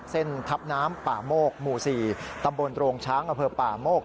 ทับน้ำป่าโมกหมู่๔ตำบลโรงช้างอำเภอป่าโมก